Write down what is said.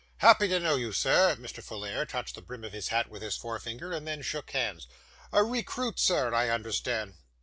'Happy to know you, sir.' Mr. Folair touched the brim of his hat with his forefinger, and then shook hands. 'A recruit, sir, I understand?